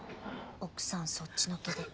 奥さんそっちのけで